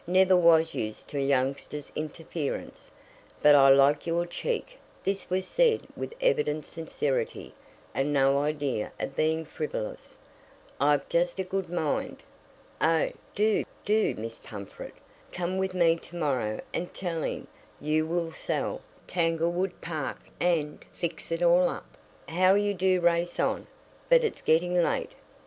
Never was used to youngsters' interference, but I like your cheek (this was said with evident sincerity and no idea of being frivolous). I've just a good mind " "Oh, do, do, Miss Pumfret! Come with me to morrow and tell him you will sell Tanglewood Park and fix it all up " "How you do race on! But it's getting late.